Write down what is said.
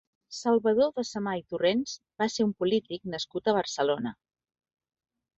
Salvador de Samà i Torrents va ser un polític nascut a Barcelona.